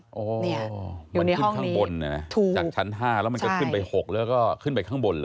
โหมันขึ้นข้างบนนะจากชั้น๕แล้วขึ้นไป๖ก็ขึ้นไปข้างบนเลย